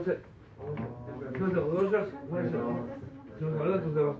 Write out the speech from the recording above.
ありがとうございます。